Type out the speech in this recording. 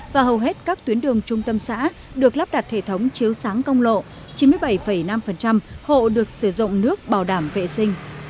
và hầu hết các tuyến đường trung tâm xã được lắp đặt hệ thống chiếu sáng công lộ chín mươi bảy năm hộ được sử dụng nước bảo đảm vệ sinh